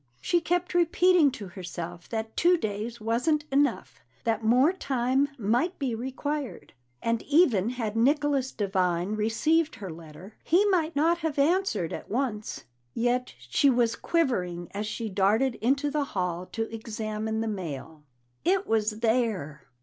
She kept repeating to herself that two days wasn't enough, that more time might be required, that even had Nicholas Devine received her letter, he might not have answered at once. Yet she was quivering as she darted into the hall to examine the mail. It was there!